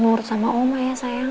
umur sama oma ya sayang